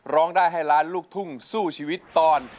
ร้องได้ให้ล้านลูกทุ่งสู้ชีวิตตอน